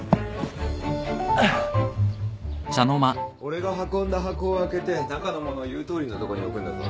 俺が運んだ箱を開けて中のものを言うとおりのとこに置くんだぞ。